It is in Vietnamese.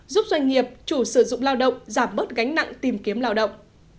giúp doanh nghiệp chủ sử dụng lao động giảm bớt gánh nặng tìm kiếm lao động